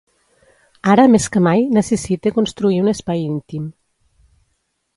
Ara més que mai necessite construir un espai íntim.